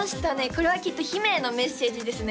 これはきっと姫へのメッセージですね